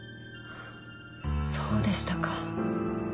そうでしたか。